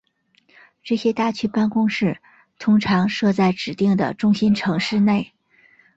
这些大区办公室通常设在指定的中心城市内。